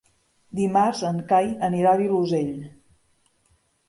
Dimarts en Cai anirà al Vilosell.